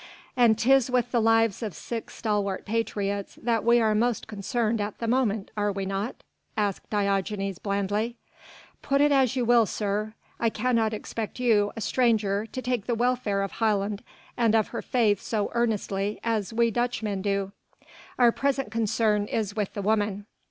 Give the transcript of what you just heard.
"And 'tis with the lives of six stalwart patriots that we are most concerned at the moment, are we not?" asked Diogenes blandly. "Put it as you will, sir. I cannot expect you a stranger to take the welfare of Holland and of her Faith so earnestly as we Dutchmen do. Our present concern is with the woman."